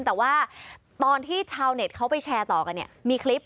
แต่ว่าตอนที่ชาวเน็ตเขาไปแชร์ต่อกันเนี่ยมีคลิป